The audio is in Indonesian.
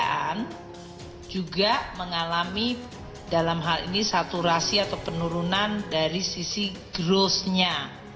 pembiayaan juga mengalami dalam hal ini saturasi atau penurunan dari sisi grossnya